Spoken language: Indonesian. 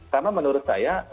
karena menurut saya